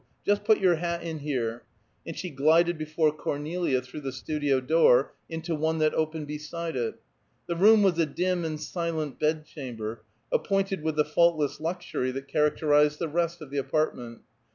Just put your hat in here," and she glided before Cornelia through the studio door into one that opened beside it. The room was a dim and silent bedchamber, appointed with the faultless luxury that characterized the rest of the apartment.